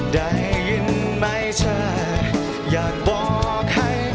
ได้ยินไม่ใช่อยากบอกให้